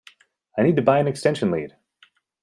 I need to buy an extension lead